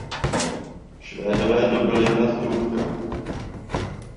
Švédové dobyli hrad Krupka.